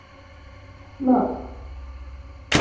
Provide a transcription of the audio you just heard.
Tḥeṣleḍ?